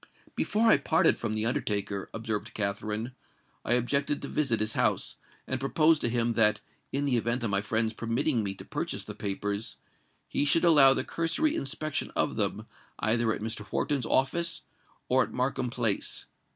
"Before I parted from the undertaker," observed Katherine, "I objected to visit his house, and proposed to him that, in the event of my friends permitting me to purchase the papers, he should allow the cursory inspection of them either at Mr. Wharton's office or at Markham Place.